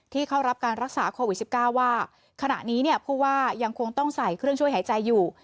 เข้ารับการรักษาโควิด๑๙ว่าขณะนี้เนี่ยผู้ว่ายังคงต้องใส่เครื่องช่วยหายใจอยู่